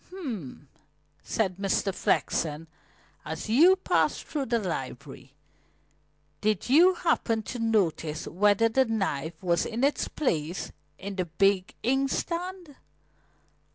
"H'm!" said Mr. Flexen. "As you passed through the library, did you happen to notice whether the knife was in its place in the big inkstand?"